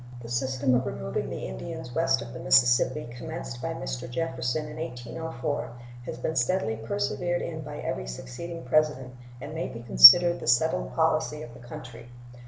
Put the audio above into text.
The system of removing the Indians west of the Mississippi, commenced by Mr. Jefferson in 1804, has been steadily persevered in by every succeeding President, and may be considered the settled policy of the country.